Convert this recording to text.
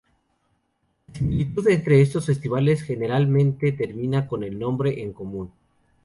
La similitud entre estos festivales generalmente termina con el nombre en común.